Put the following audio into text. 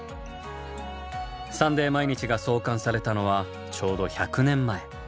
「サンデー毎日」が創刊されたのはちょうど１００年前。